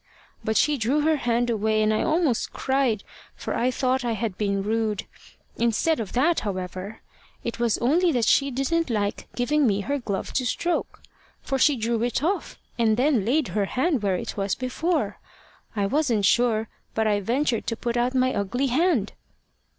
But she drew her hand away, and I almost cried, for I thought I had been rude. Instead of that, however, it was only that she didn't like giving me her glove to stroke, for she drew it off, and then laid her hand where it was before. I wasn't sure, but I ventured to put out my ugly hand."